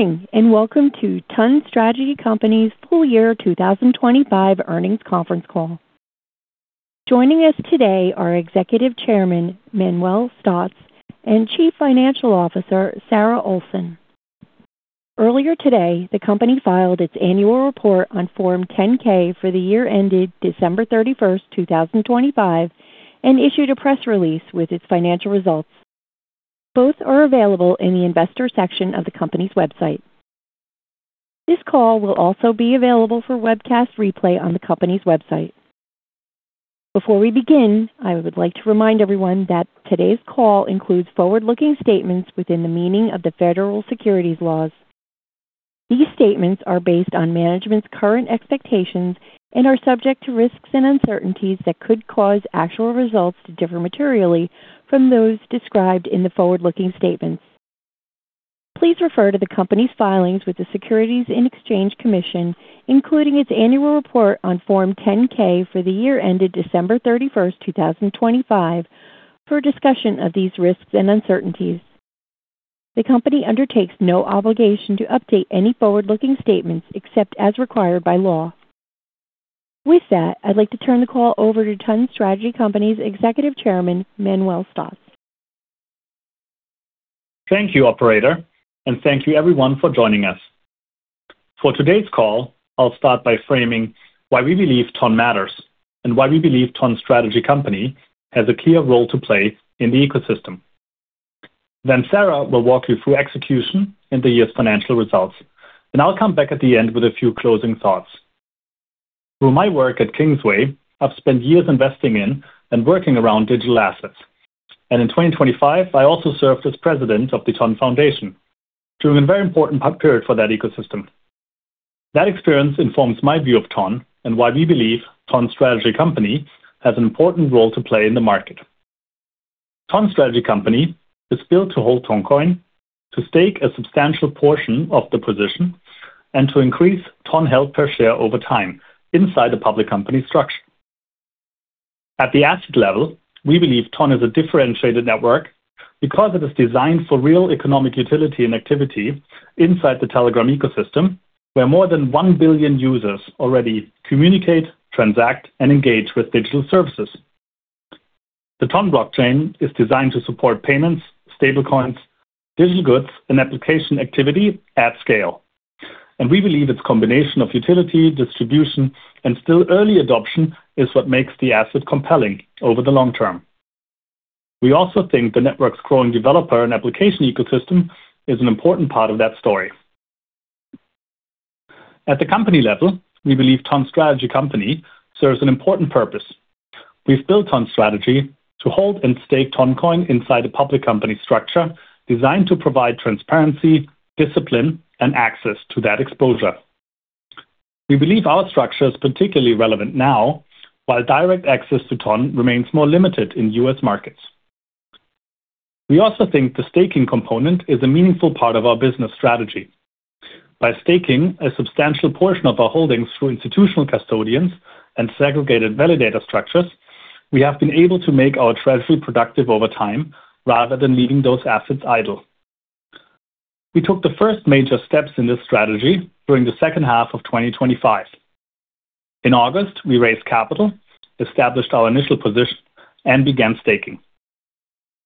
Good morning, and welcome to TON Strategy Company's full year 2025 earnings conference call. Joining us today are Executive Chairman Manuel Stotz and Chief Financial Officer Sarahhh Olsen. Earlier today, the company filed its annual report on Form 10-K for the year ended December 31, 2025 and issued a press release with its financial results. Both are available in the investor section of the company's website. This call will also be available for webcast replay on the company's website. Before we begin, I would like to remind everyone that today's call includes forward-looking statements within the meaning of the federal securities laws. These statements are based on management's current expectations and are subject to risks and uncertainties that could cause actual results to differ materially from those described in the forward-looking statements. Please refer to the company's filings with the Securities and Exchange Commission, including its annual report on Form 10-K for the year ended December 31, 2025 for a discussion of these risks and uncertainties. The company undertakes no obligation to update any forward-looking statements except as required by law. With that, I'd like to turn the call over to TON Strategy Company's Executive Chairman, Manuel Stotz. Thank you, operator, and thank you everyone for joining us. For today's call, I'll start by framing why we believe TON matters and why we believe TON Strategy Company has a clear role to play in the ecosystem. Sarahh will walk you through execution and the year's financial results, and I'll come back at the end with a few closing thoughts. Through my work at Kingsway, I've spent years investing in and working around digital assets, and in 2025 I also served as president of the TON Foundation during a very important period for that ecosystem. That experience informs my view of TON and why we believe TON Strategy Company has an important role to play in the market. TON Strategy Company is built to hold Toncoin, to stake a substantial portion of the position, and to increase TON held per share over time inside a public company structure. At the asset level, we believe TON is a differentiated network because it is designed for real economic utility and activity inside the Telegram ecosystem, where more than 1 billion users already communicate, transact, and engage with digital services. The TON blockchain is designed to support payments, stable coins, digital goods and application activity at scale, and we believe its combination of utility, distribution and still early adoption is what makes the asset compelling over the long term. We also think the network's growing developer and application ecosystem is an important part of that story. At the company level, we believe TON Strategy Company serves an important purpose. We've built TON Strategy to hold and stake Toncoin inside a public company structure designed to provide transparency, discipline and access to that exposure. We believe our structure is particularly relevant now while direct access to TON remains more limited in U.S. markets. We also think the staking component is a meaningful part of our business strategy. By staking a substantial portion of our holdings through institutional custodians and segregated validator structures, we have been able to make our treasury productive over time rather than leaving those assets idle. We took the first major steps in this strategy during the second half of 2025. In August, we raised capital, established our initial position, and began staking.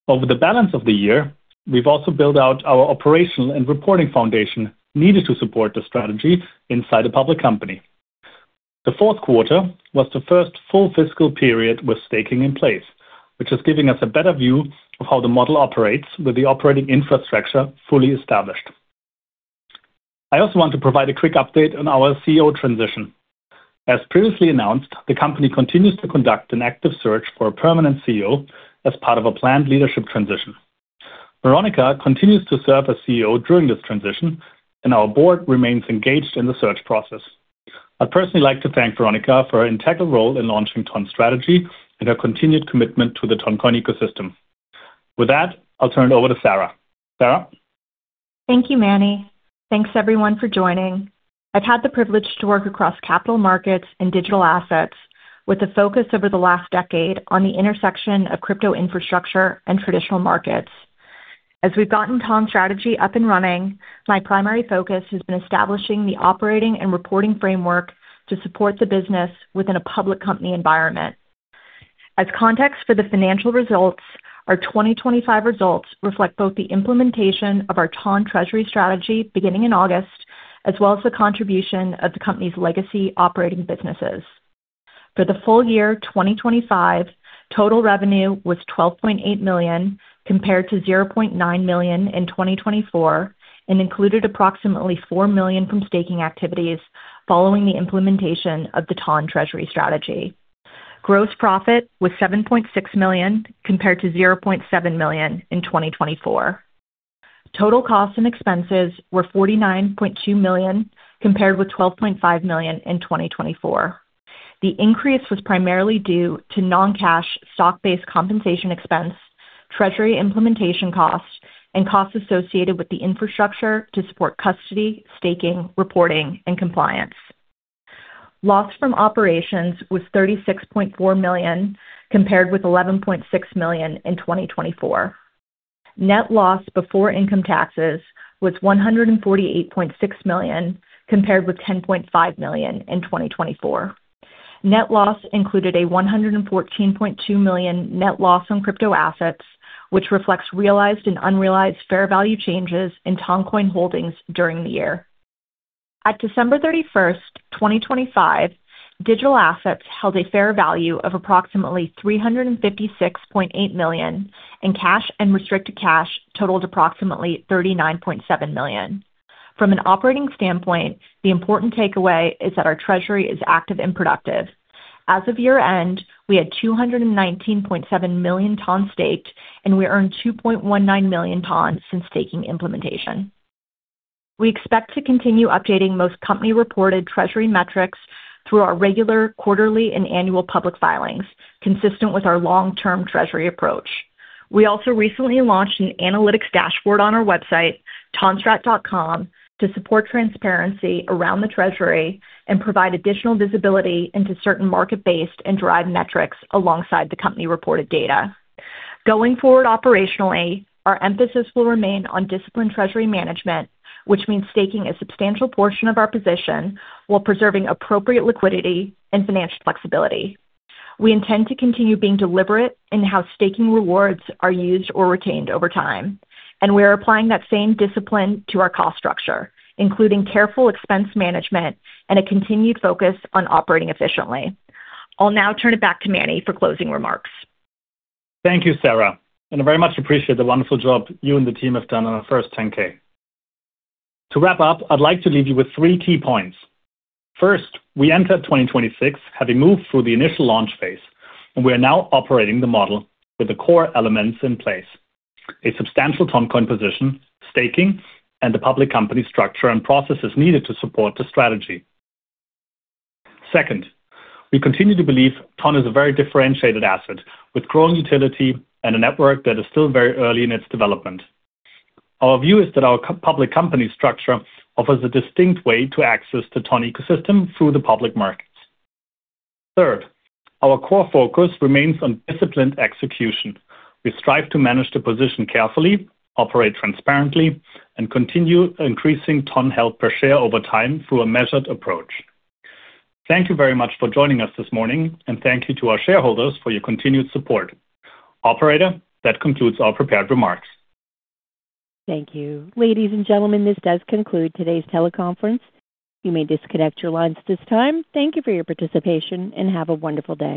Over the balance of the year, we've also built out our operational and reporting foundation needed to support the strategy inside a public company. The fourth quarter was the first full fiscal period with staking in place, which is giving us a better view of how the model operates with the operating infrastructure fully established. I also want to provide a quick update on our CEO transition. As previously announced, the company continues to conduct an active search for a permanent CEO as part of a planned leadership transition. Veronika continues to serve as CEO during this transition, and our board remains engaged in the search process. I'd personally like to thank Veronika for her integral role in launching TON Strategy and her continued commitment to the Toncoin ecosystem. With that, I'll turn it over to Sarahhh. Sarahhh. Thank you, Manuel. Thanks everyone for joining. I've had the privilege to work across capital markets and digital assets with a focus over the last decade on the intersection of crypto infrastructure and traditional markets. As we've gotten TON Strategy up and running, my primary focus has been establishing the operating and reporting framework to support the business within a public company environment. As context for the financial results, our 2025 results reflect both the implementation of our TON treasury strategy beginning in August, as well as the contribution of the company's legacy operating businesses. For the full year 2025, total revenue was $12.8 million, compared to $0.9 million in 2024, and included approximately $4 million from staking activities following the implementation of the TON treasury strategy. Gross profit was $7.6 million, compared to $0.7 million in 2024. Total costs and expenses were $49.2 million, compared with $12.5 million in 2024. The increase was primarily due to non-cash stock-based compensation expense, treasury implementation costs, and costs associated with the infrastructure to support custody, staking, reporting, and compliance. Loss from operations was $36.4 million, compared with $11.6 million in 2024. Net loss before income taxes was $148.6 million, compared with $10.5 million in 2024. Net loss included a $114.2 million net loss on crypto assets, which reflects realized and unrealized fair value changes in Toncoin holdings during the year. At December 31, 2025, digital assets held a fair value of approximately $356.8 million, and cash and restricted cash totaled approximately $39.7 million. From an operating standpoint, the important takeaway is that our treasury is active and productive. As of year-end, we had 219.7 million TON staked, and we earned 2.19 million TON since staking implementation. We expect to continue updating most company-reported treasury metrics through our regular, quarterly, and annual public filings, consistent with our long-term treasury approach. We also recently launched an analytics dashboard on our website, tonstrat.com, to support transparency around the treasury and provide additional visibility into certain market-based and derived metrics alongside the company-reported data. Going forward operationally, our emphasis will remain on disciplined treasury management, which means staking a substantial portion of our position while preserving appropriate liquidity and financial flexibility. We intend to continue being deliberate in how staking rewards are used or retained over time, and we are applying that same discipline to our cost structure, including careful expense management and a continued focus on operating efficiently. I'll now turn it back to Manuel for closing remarks. Thank you, Sarahhh, and I very much appreciate the wonderful job you and the team have done on our first 10-K. To wrap up, I'd like to leave you with three key points. First, we entered 2026 having moved through the initial launch phase, and we are now operating the model with the core elements in place. A substantial Toncoin position, staking, and the public company structure and processes needed to support the strategy. Second, we continue to believe TON is a very differentiated asset with growing utility and a network that is still very early in its development. Our view is that our public company structure offers a distinct way to access the TON ecosystem through the public markets. Third, our core focus remains on disciplined execution. We strive to manage the position carefully, operate transparently, and continue increasing TON held per share over time through a measured approach. Thank you very much for joining us this morning, and thank you to our shareholders for your continued support. Operator, that concludes our prepared remarks. Thank you. Ladies and gentlemen, this does conclude today's teleconference. You may disconnect your lines at this time. Thank you for your participation, and have a wonderful day.